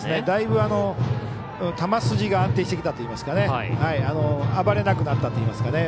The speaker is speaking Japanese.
だいぶ、球筋が安定してきたといいますか暴れなくなってきたといいますか。